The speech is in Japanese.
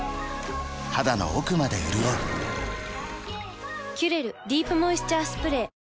肌の奥まで潤う「キュレルディープモイスチャースプレー」